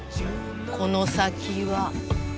この先は。